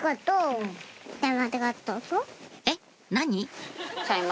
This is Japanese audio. えっ何？